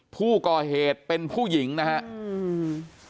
ผู้ก่อเหตุเป็นผู้หญิงนะครับอืม